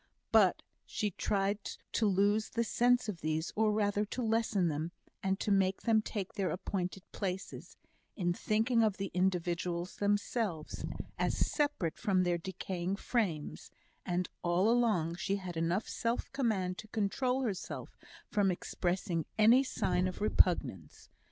But she tried to lose the sense of these or rather to lessen them, and make them take their appointed places in thinking of the individuals themselves, as separate from their decaying frames; and all along she had enough self command to control herself from expressing any sign of repugnance.